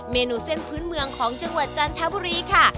เมนูเส้นพื้นเมืองของจังหวัดจันทบุรีค่ะ